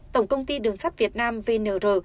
tổng công ty đường sắt việt nam vnr